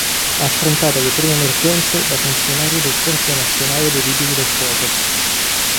Ha affrontato le prime emergenze da funzionario del Corpo nazionale dei vigili del fuoco.